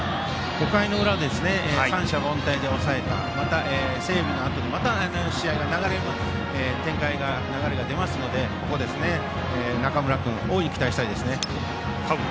５回の裏三者凡退で抑えたそして整備のあとで試合の展開、流れが出ますのでここで中村君大いに期待したいですね。